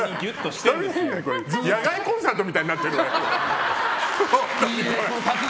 野外コンサートみたいになってるわよ。